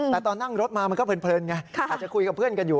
แต่ตอนนั่งรถมามันก็เพลินไงอาจจะคุยกับเพื่อนกันอยู่